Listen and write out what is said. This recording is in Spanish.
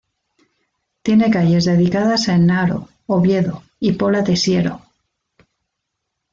Tiene calles dedicadas en Haro, Oviedo y Pola de Siero.